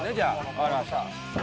分かりました。